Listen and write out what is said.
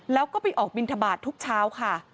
แล้วก็ไปออกบินทบาททุกเช้าค่ะ